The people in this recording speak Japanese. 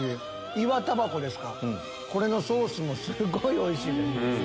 イワタバコのソースもすっごいおいしいです。